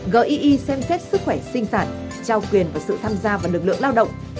gei xem xét sức khỏe sinh sản trao quyền và sự tham gia vào lực lượng lao động